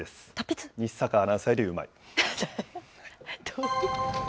西阪アナウンサーよりうまい。